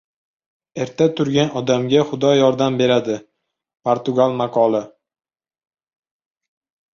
Erta turgan odamga Xudo yordam beradi. Portugal maqoli